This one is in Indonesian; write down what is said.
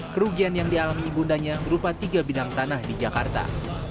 kerugian yang dialami ibundanya berupa tiga bidang tanah di jakarta